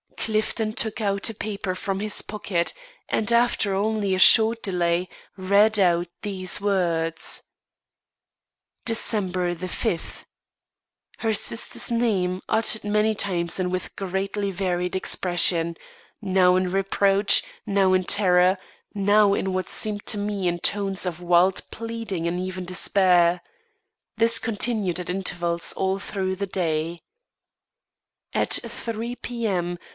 Clifton took a paper from his pocket, and, after only a short delay, read out these words: "December the fifth: Her sister's name, uttered many times and with greatly varied expression now in reproach, now in terror, now in what seemed to me in tones of wild pleading and even despair. This continued at intervals all through the day. "At three P.M.